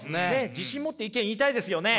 自信持って意見言いたいですよね。